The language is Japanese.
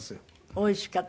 おいしかった。